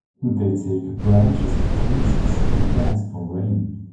They take branches of trees and sing and dance for rain.